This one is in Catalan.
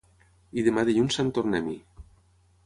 i demà dilluns sant tornem-hi